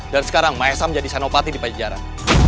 dan sekarang mahesa menjadi senopati di pajajaran